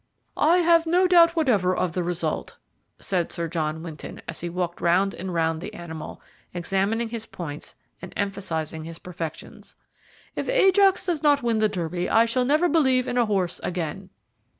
"I have no doubt whatever of the result," said Sir John Winton, as he walked round and round the animal, examining his points and emphasizing his perfections. "If Ajax does not win the Derby, I shall never believe in a horse again."